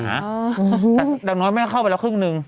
แต่ดังน้อยแม่เข้าไปแล้วครึ่งหนึ่ง